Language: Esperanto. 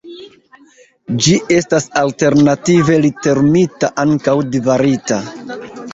Ĝi estas alternative literumita ankaŭ Dvarika.